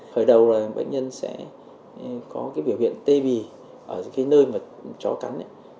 khởi đầu là bệnh nhân sẽ có cái biểu hiện tê bì ở cái nơi mà chó cắn